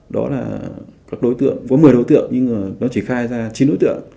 đó là các đối tượng có một mươi đối tượng nhưng mà nó chỉ khai ra chín đối tượng